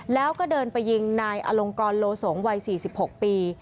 แล้วก็เดินไปยิงนายอลงกรโลสงวัย๔๖ปี